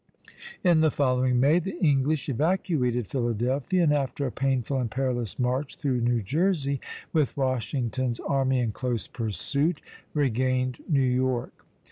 In the following May the English evacuated Philadelphia, and after a painful and perilous march through New Jersey, with Washington's army in close pursuit, regained New York.